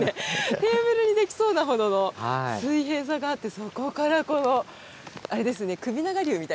テーブルにできそうなほどの水平さがあってそこからこのあれですね首長竜みたいですね